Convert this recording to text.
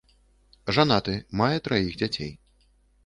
Жанаты, мае траіх дзяцей.